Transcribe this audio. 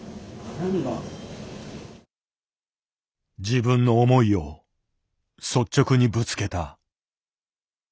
自分の思いを率直にぶつけた。